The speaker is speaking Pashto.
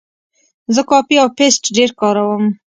زه کاپي او پیسټ ډېر کاروم.